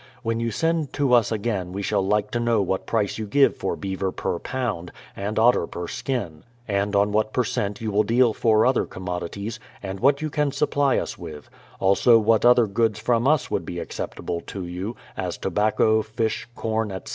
When you send to us again we shall like to know what price you give for beaver per pound, and otter per skin ; and on what per cent j'ou will deal for other commodities, and what you can supply us with; also what other goods from us would be acceptable to you, as tobacco, fish, corn, etc.